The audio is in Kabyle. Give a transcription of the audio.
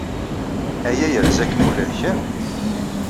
Aya yerza-kem ula d kemm.